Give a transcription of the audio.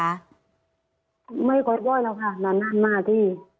ไม่ก่อนบ่อยแล้วค่ะมานานมากที่